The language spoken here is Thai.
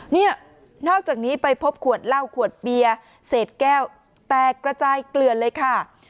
นี่นอกจากนี้ไปพบขวดเหล้าขวดเบียร์เศษแก้วแตกกระจายเกลือนเลยค่ะ